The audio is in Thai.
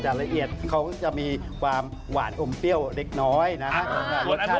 แต่ละเอียดเขาจะมีความหวานอมเปรี้ยวเล็กน้อยนะฮะรสชาติ